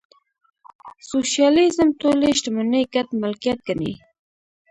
سوشیالیزم ټولې شتمنۍ ګډ ملکیت ګڼي.